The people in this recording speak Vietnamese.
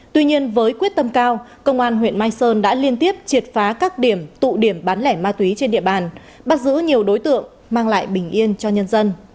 tuy nhiên với quyết tâm cao công an huyện mai sơn đã liên tiếp triệt phá các điểm tụ điểm bán lẻ ma túy trên địa bàn bắt giữ nhiều đối tượng mang lại bình yên cho nhân dân